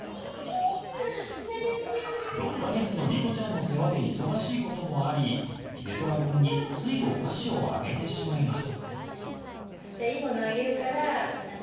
６か月のりこちゃんの世話で忙しいこともありひでとらくんについお菓子をあげてしまいます。